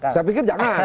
saya pikir jangan